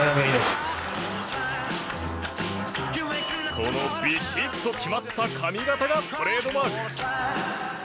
このびしっと決まった髪形がトレードマーク。